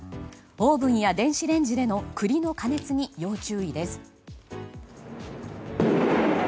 オーブンや電子レンジでの栗の加熱に要注意です。